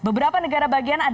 beberapa negara bagian